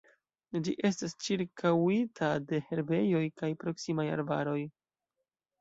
Ĝi estas ĉirkaŭita de herbejoj kaj proksimaj arbaroj.